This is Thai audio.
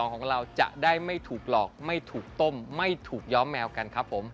ของเราจะได้ไม่ถูกหลอกไม่ถูกต้มไม่ถูกย้อมแมวกันครับผม